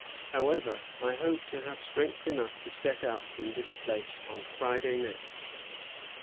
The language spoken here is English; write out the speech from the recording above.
However, I hope to have strength enough to set out from this place on Friday next."